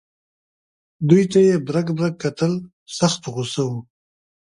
دوی ته یې برګ برګ کتل سخت په غوسه و.